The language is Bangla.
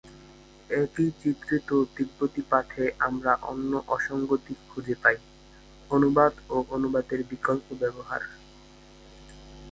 একই চিত্রিত তিব্বতি পাঠে আমরা অন্য অসঙ্গতি খুঁজে পাই: অনুবাদ ও অনুবাদের বিকল্প ব্যবহার।